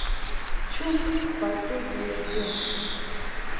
Цәымӷс сҟарҵоит уи азы.